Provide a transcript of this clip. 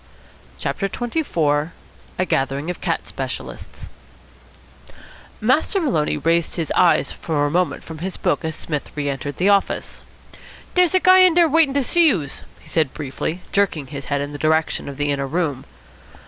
CHAPTER XXIV A GATHERING OF CAT SPECIALISTS Master Maloney raised his eyes for a moment from his book as Psmith re entered the office. "Dere's a guy in dere waitin' ter see youse," he said briefly, jerking his head in the direction of the inner room.